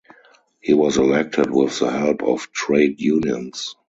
He was elected with the help of trade unions.